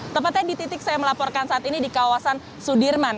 tepatnya di titik saya melaporkan saat ini di kawasan sudirman